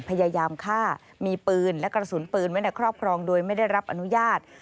พยายามฆ่ามีปืนและกระสุนปืนไว้ในครอบครองโดยไม่ได้รับอนุญาต